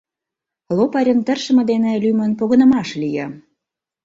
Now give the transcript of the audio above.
Лопарьын тыршыме дене лӱмын погынымаш лие.